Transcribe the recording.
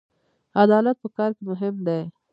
عدالت په کار کې مهم دی